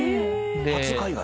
初海外？